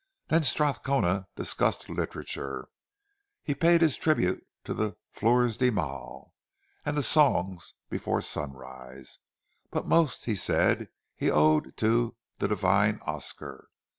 Then Strathcona discussed literature. He paid his tribute to the "Fleurs de Mal" and the "Songs before Sunrise"; but most, he said, he owed to "the divine Oscar."